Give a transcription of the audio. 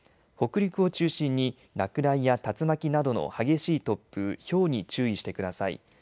北陸を中心に落雷や竜巻などの激しい突風、ひょうに注意してください。